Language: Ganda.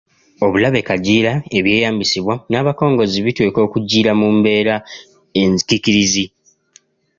Obulage kagiira: ebyeyambisibwa n’abakongozzi biteekwa okugiira mu mbeera enkiikirizi.